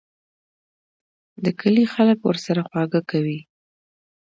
د کلي خلک ورسره خواږه کوي.